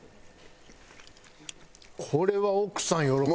これは奥さん喜ぶ。